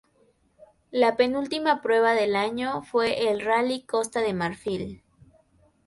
La penúltima prueba del año fue el Rally Costa de Marfil.